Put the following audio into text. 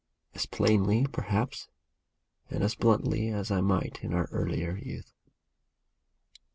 As plainly, perhaps, and as bluntly, as I might in our earlier youth.